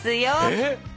えっ？